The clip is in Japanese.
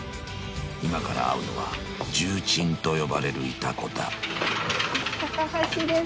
［今から会うのは重鎮と呼ばれるイタコだ］高橋です。